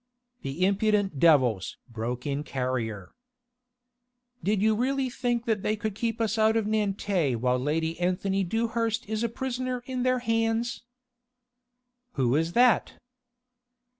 '" "The impudent devils!" broke in Carrier. "'Did you really think that they could keep us out of Nantes while Lady Anthony Dewhurst is a prisoner in their hands?'" "Who is that?"